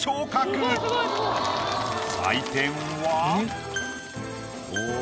採点は。